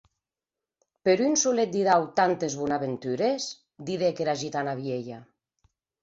Per un solet didau tantes bonaventures?, didec era gitana vielha.